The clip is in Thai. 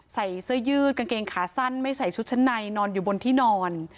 ใส่เสื้อยืดกางเกงขาสั้นไม่ใส่ชุดชั้นในนอนอยู่บนที่นอน